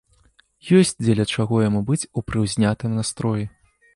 Ёсць дзеля чаго яму быць у прыўзнятым настроі.